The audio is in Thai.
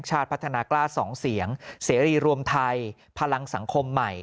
ชาติพัฒนากล้า๒เสียงเสรีรวมไทยพลังสังคมใหม่